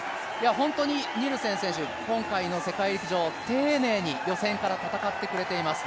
本当にニルセン選手、今回の世界陸上、丁寧に予選から戦ってくれています。